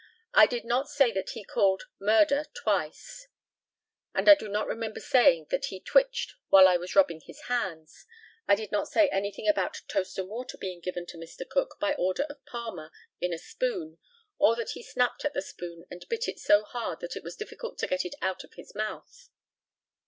I did not say that he called "Murder!" twice, and I do not remember saying that he "twitched" while I was rubbing his hands. I did not say anything about toast and water being given to Mr. Cook, by order of Palmer, in a spoon; or that he snapped at the spoon and bit it so hard that it was difficult to get it out of his mouth.